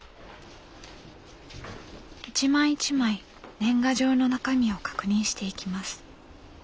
一枚一枚年賀状の中身を確認していきます。